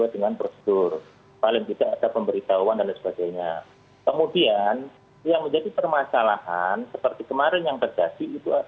dan itu yang mestinya didengar